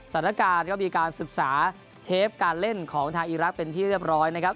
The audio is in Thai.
สถานการณ์ก็มีการศึกษาเทปการเล่นของทางอีรักษ์เป็นที่เรียบร้อยนะครับ